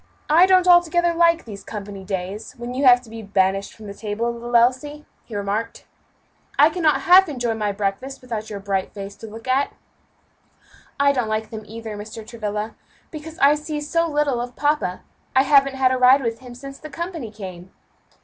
"I don't altogether like these company days, when you have to be banished from the table, little Elsie," he remarked. "I cannot half enjoy my breakfast without your bright face to look at." "I don't like them either, Mr. Travilla, because I see so little of papa. I haven't had a ride with him since the company came."